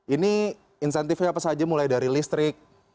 ini insentifnya apa saja mulai dari listrik